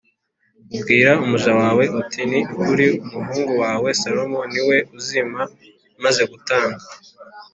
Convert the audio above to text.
ubwira umuja wawe uti ‘Ni ukuri umuhungu wawe Salomo ni we uzima maze gutanga